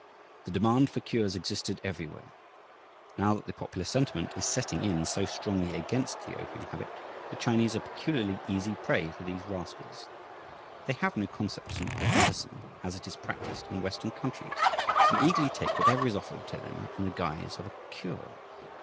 The demand for cures existed everywhere. Now that the popular sentiment is setting in so strongly against the opium habit, the Chinese are peculiarly easy prey for these rascals. They have no conception of medicine as it is practiced in Western countries, and eagerly take whatever is offered to them in the guise of a "cure."